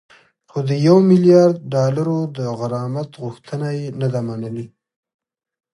خو د یو میلیارد ډالرو د غرامت غوښتنه یې نه ده منلې